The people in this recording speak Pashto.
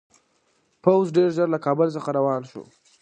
پوځ ډېر ژر له کابل څخه روان شو.